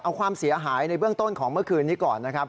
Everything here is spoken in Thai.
เอาความเสียหายในเบื้องต้นของเมื่อคืนนี้ก่อนนะครับ